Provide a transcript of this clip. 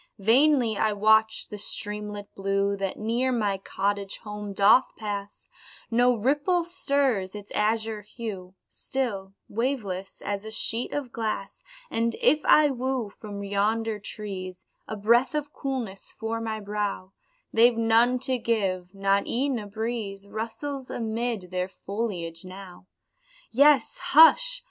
Vainly I watch the streamlet blue That near my cottage home doth pass, No ripple stirs its azure hue, Still waveless, as a sheet of glass And if I woo from yonder trees A breath of coolness for my brow, They've none to give not e'en a breeze Rustles amid their foliage now; Yes, hush!